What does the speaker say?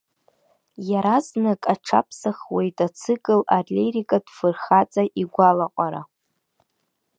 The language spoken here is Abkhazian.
Иаразнак аҽаԥсахуеит ацикл алирикатә фырхаҵа игәалаҟара.